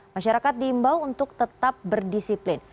masyarakat diimbau untuk tetap berdisiplin